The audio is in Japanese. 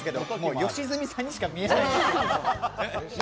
良純さんにしか見えないです。